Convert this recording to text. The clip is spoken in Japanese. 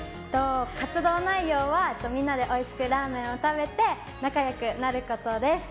活動内容はみんなでおいしくラーメンを食べて仲良くなることです。